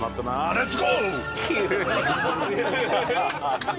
レッツゴー！